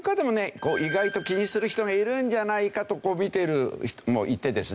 意外と気にする人がいるんじゃないかと見てる人もいてですね